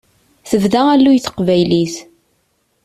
Tebda alluy teqbaylit.